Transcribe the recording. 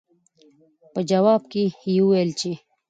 پۀ جواب کښې يې وويل چې